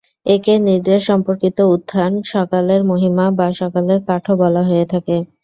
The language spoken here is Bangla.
একে নিদ্রা-সম্পর্কিত উত্থান, সকালের মহিমা বা সকালের কাঠ-ও বলা হয়ে থাকে।